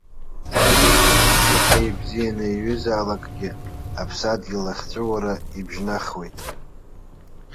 Шаҟа ибзианы иҩызаалакгьы аԥсадгьыл ахьҵәыуара ибжьнахуеит.